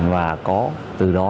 và có từ đó